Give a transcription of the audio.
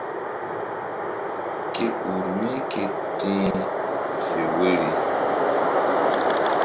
Ku ur mí ku tih fe woyri.